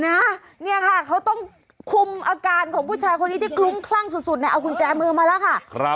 นี่ค่ะเขาต้องคุมอาการของผู้ชายคนนี้ที่คลุ้มคลั่งสุดเอากุญแจมือมาแล้วค่ะ